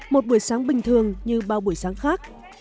một buổi sáng bình thường như bao buổi sáng khác